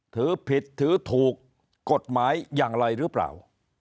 ถือผิดถือถูกกฎหมายอย่างไรหรือเปล่า